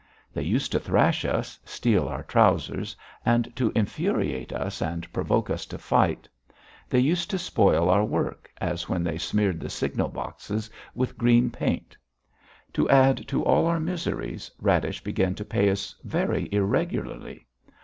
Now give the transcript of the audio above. They used to thrash us, steal our trousers, and to infuriate us and provoke us to a fight; they used to spoil our work, as when they smeared the signal boxes with green paint. To add to all our miseries Radish began to pay us very irregularly.